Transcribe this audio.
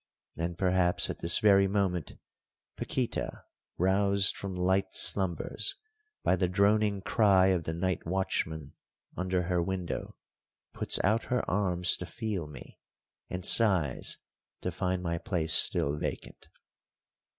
And, perhaps, at this very moment Paquíta, roused from light slumbers by the droning cry of the night watchman under her window, puts out her arms to feel me, and sighs to find my place still vacant.